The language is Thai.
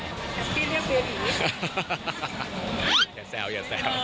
เด็ดแซว